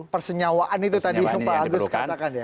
persenyawaan itu tadi yang diperlukan